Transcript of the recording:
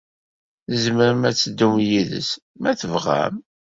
Tzemrem ad teddum yid-s, ma tebɣam.